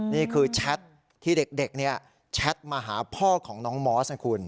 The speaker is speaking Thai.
นี่คือแชทที่เด็กแชทมาหาพ่อของน้องมอสนะคุณ